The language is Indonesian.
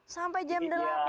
sampai jam delapan